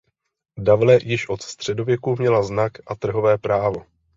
Davle již od středověku měla znak a trhové právo.